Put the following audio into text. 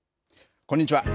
こんにちは。